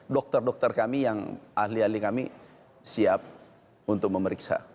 dokter dokter kami yang ahli ahli kami siap untuk memeriksa